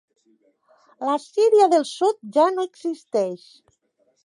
La Síria del Sud ja no existeix.